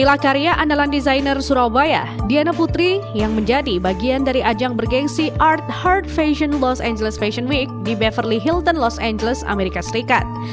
inilah karya andalan desainer surabaya diana putri yang menjadi bagian dari ajang bergensi art hard fashion los angeles fashion week di beverly hilton los angeles amerika serikat